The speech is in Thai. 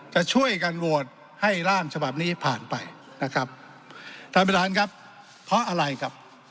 จะช่วยกันโหวตให้ร่างฉบับนี้ผ่านไปนะครับท่านประธานครับเพราะอะไรครับ